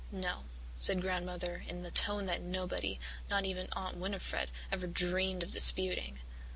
"No," said Grandmother in the tone that nobody, not even Aunt Winnifred, ever dreamed of disputing.